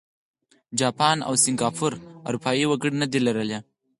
جاپان او سینګاپور اروپايي وګړي نه دي لرلي.